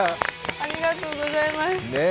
ありがとうございます。